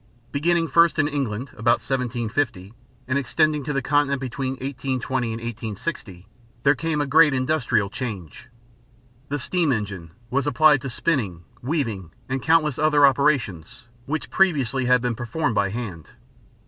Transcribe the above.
Beginning first in England about 1750 and extending to the Continent between 1820 and 1860, there came a great industrial change. The steam engine was applied to spinning, weaving, and countless other operations which previously had been performed by hand.